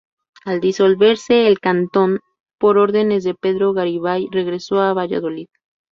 Al disolverse el cantón, por órdenes de Pedro de Garibay, regresó a Valladolid.